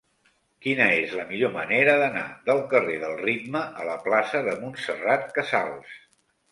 Quina és la millor manera d'anar del carrer del Ritme a la plaça de Montserrat Casals?